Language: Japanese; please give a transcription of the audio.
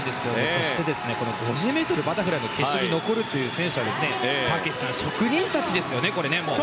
そして５０ｍバタフライの決勝に残るという選手は丈志さん、職人たちですよね。